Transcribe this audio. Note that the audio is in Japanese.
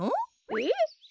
えっ？